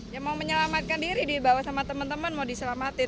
ya mau menyelamatkan diri dibawa sama teman teman mau diselamatin